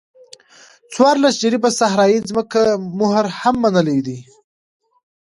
څوارلس جریبه صحرایي ځمکې مهر هم منلی دی.